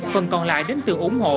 phần còn lại đến từ ủng hộ